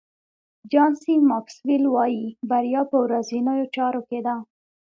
جان سي ماکسویل وایي بریا په ورځنیو چارو کې ده.